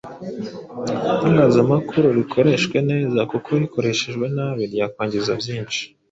Itangazamakuru rikoreshwe neza kuko rikoreshejwe nabi ryakwangiza byinshi.